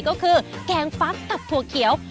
ก็คือแกงฟักตับถั่วเขียว